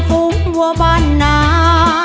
ฝูงหัวบ้านหนา